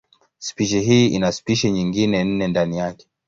Spishi hii ina spishi nyingine nne ndani yake.